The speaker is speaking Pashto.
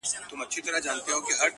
پاچاهان لویه گوله غواړي خپل ځان ته.!